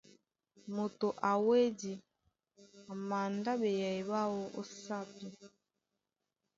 Moto a wedí a mandá ɓeyɛy ɓáō ó sápi.